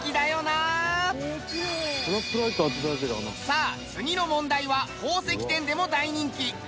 さあ次の問題は宝石展でも大人気